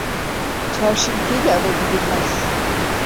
Çarşı itiyle ava gidilmez